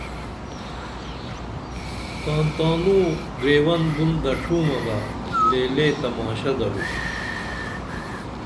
تان تانوں گریون بُن دڇھومہ بہ لے لے تماشہ درو